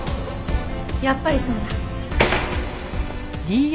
やっぱりそうだ。